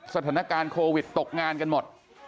สถานการณ์โควิดตกงานกันหมด